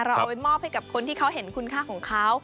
เอาไปมอบให้กับคนที่เขาเห็นคุณค่าของเขา